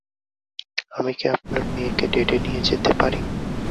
আমি কি আপনার মেয়েকে ডেটে নিয়ে যেতে পারি?